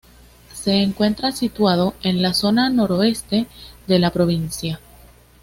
Se encuentra situado en en la zona noroeste de la provincia.